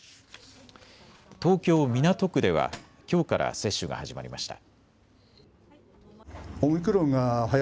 東京港区ではきょうから接種が始まりました。